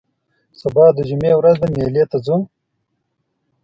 سبا د جمعې ورځ ده مېلې ته ځو